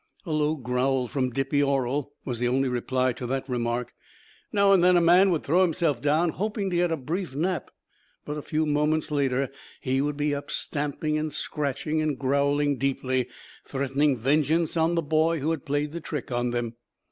A low growl from Dippy Orell was the only reply to the remark. Now and then a man would throw himself down hoping to get a brief nap, but a few moments later he would be up stamping and scratching and growling deeply, threatening vengeance on the boy who had played the trick on them.